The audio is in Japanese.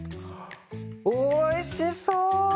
おいしそう！